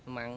mặc gì đó